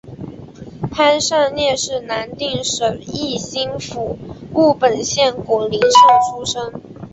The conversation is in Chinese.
潘善念是南定省义兴府务本县果灵社出生。